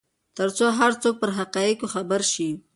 ترڅو هر څوک پر حقایقو خبر شي.